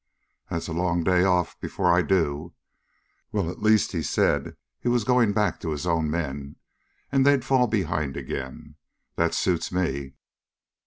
That's a long day off, before I do. Well, at least he said he was going back to his own men, and they'd fall behind again. That suits me."